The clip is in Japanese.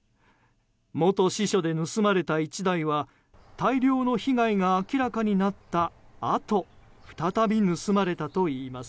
元支所で盗まれた１台は大量の被害が明らかになったあと再び盗まれたといいます。